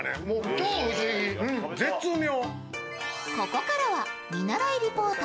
超不思議、絶妙。